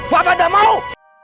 bapak tidak mau